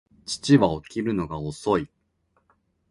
父は起きるのが遅い